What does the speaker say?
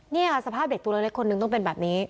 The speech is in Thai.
นี่ค่ะสภาพเด็กปูเล็กคนนึงต้องเป็นแบบนี้